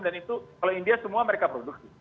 dan itu kalau india semua mereka produksi